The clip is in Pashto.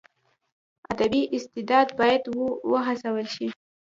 ادبي استعداد باید وهڅول سي.